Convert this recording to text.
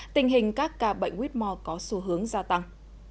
tình hình các ca bệnh whitmore có xu hướng gia tăng